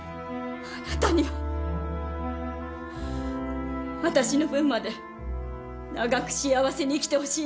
あなたには私の分まで長く幸せに生きてほしいの。